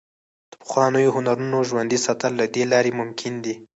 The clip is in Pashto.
د پخوانیو هنرونو ژوندي ساتل له دې لارې ممکن دي.